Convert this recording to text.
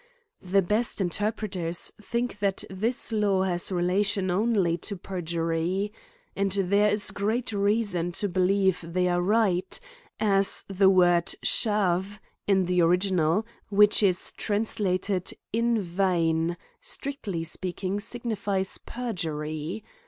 ^^ The best in terpreters think that this law has relation only to perjury. And there is great reason to believe they are right, as the word shave in the original, which is translated in vaiuy strictly speaking sig nifies j&^r/wry.